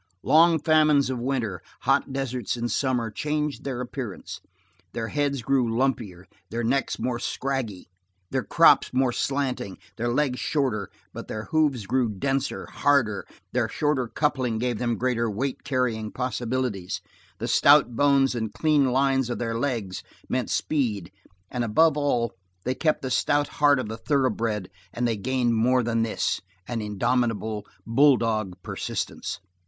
Long famines of winter, hot deserts in summer, changed their appearance. Their heads grew lumpier, their necks more scraggy, their croups more slanting, their legs shorter; but their hoofs grew denser, hardier, their shorter coupling gave them greater weight carrying possibilities, the stout bones and the clean lines of their legs meant speed, and above all they kept the stout heart of the thoroughbred and they gained more than this, an indomitable, bulldog persistence.